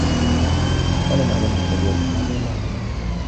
وَقَالَ مُعَاذُ بْنُ جَبَلٍ رَضِيَ اللَّهُ عَنْهُ